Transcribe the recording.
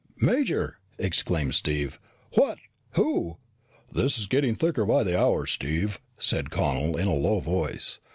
"Major," exclaimed Steve, "what who ?" "It's getting thicker by the hour, Steve!" said Connel in a low voice.